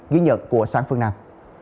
ghi nhận của sáng phương nam